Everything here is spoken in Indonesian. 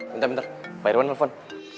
bentar bentar pak irwan nelfon